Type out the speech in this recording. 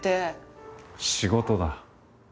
仕事だ。